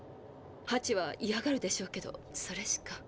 ハチはいやがるでしょうけどそれしか。